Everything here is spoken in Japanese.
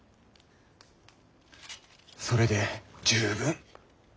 それで十分。